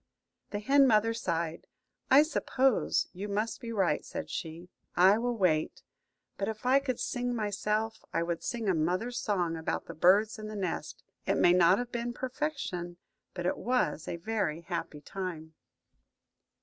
The hen mother sighed. "I suppose you must be right," said she; "I will wait. But if I could sing myself, I would sing a mother's song about the birds in the nest. It may not have been perfection, but it was a very happy time."